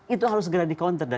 itu harus segera di counter